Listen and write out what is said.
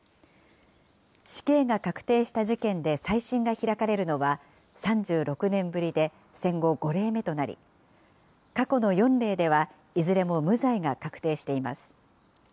死刑が確定した事件で再審が開かれるのは３６年ぶりで戦後５例目となり、過去の４例ではいずれも無罪が確定しています。